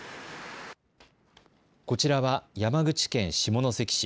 こちらは山口県下関市。